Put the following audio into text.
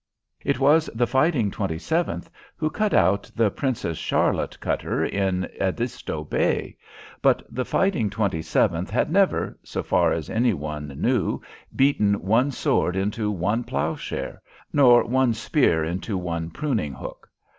It was "the Fighting Twenty seventh" who cut out the "Princess Charlotte" cutter in Edisto Bay. But the "Fighting Twenty seventh" had never, so far as any one knew, beaten one sword into one plough share, nor one spear into one pruning hook.